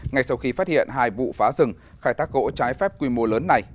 ngay sau khi phát hiện hai vụ phá rừng khai thác gỗ trái phép quy mô lớn này